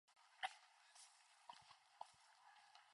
Surfing is an element of the South Bay lifestyle year-round.